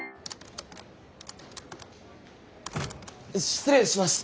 失礼します。